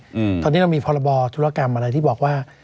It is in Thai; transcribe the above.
อืมตอนนี้เรามีพรบธุรกรรมอะไรที่บอกว่า